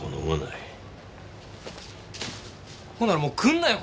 ほんならもう来るなよ